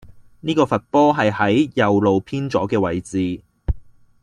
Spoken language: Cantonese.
呢個罰波係喺右路偏左既位置